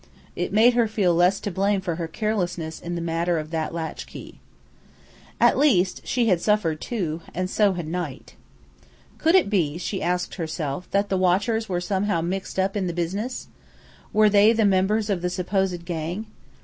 It made her feel less to blame for her carelessness in the matter of that latchkey. At least, she had suffered, too, and so had Knight. Could it be, she asked herself, that the watchers were somehow mixed up in the business? Were they members of the supposed gang?